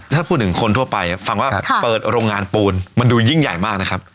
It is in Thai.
ถ้าพูดถึงคนทั่วไปฟังว่าเปิดโรงงานปูนมันดูยิ่งใหญ่มากนะครับ